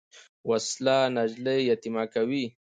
وسله نجلۍ یتیمه کوي